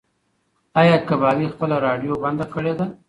ایا کبابي خپله راډیو بنده کړې ده؟